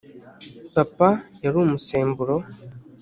papa yari umusemburo